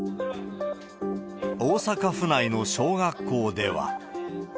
大阪府内の小学校では。